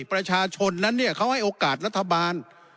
ประชาชนนั้นเขาให้โอกาสรัฐบาล